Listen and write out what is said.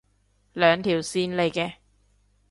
兩條線嚟嘅